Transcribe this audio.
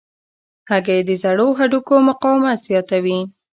هګۍ د زړو هډوکو مقاومت زیاتوي.